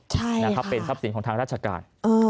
ใช่ค่ะเป็นทับสินของทางราชการ